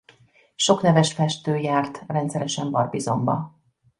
Sok neves festő járt rendszeresen Barbizonba.